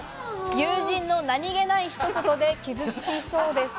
友人の何気ない一言で傷つきそうです。